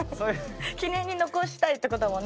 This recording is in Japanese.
記念に残したいって事だもんね